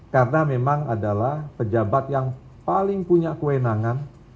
karena memang adalah pejabat yang paling punya kewenangan